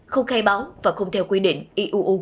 không khai báo và không theo quy định eu